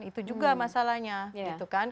itu juga masalahnya gitu kan